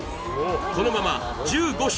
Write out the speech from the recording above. このまま１５品